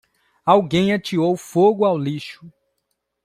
Alguém ateou fogo ao lixo.